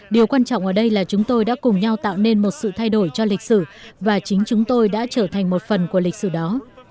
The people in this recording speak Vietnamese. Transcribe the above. điều quan trọng ở đây là chúng tôi đã cùng nhau tạo nên một sự thay đổi cho lịch sử và chính chúng tôi đã trở thành một phần của lịch sử đó